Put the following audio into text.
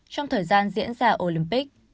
trong thời gian diễn ra olympic